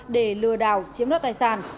để lừa đảo chiếm đoạt tài sản